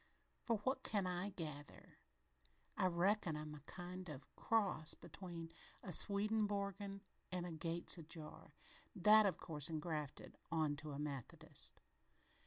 From what I can gather, I reckon I'm a kind of a cross between a Swedenborgian and a Gates ajar that, of course, engrafted on to a Methodist.